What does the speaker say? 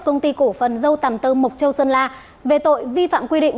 công ty cổ phần dâu tầm tơ mộc châu sơn la về tội vi phạm quy định